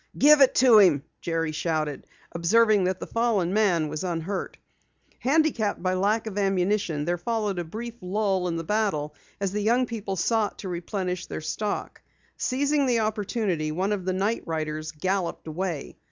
"Give it to him!" Jerry shouted, observing that the fallen man was unhurt. Handicapped by lack of ammunition, there followed a brief lull in the battle, as the young people sought to replenish their stock. Seizing the opportunity, one of the night riders galloped away.